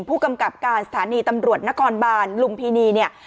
ผู้กำกับการสถานีตำรวจนครบาลลุมพินีเนี่ย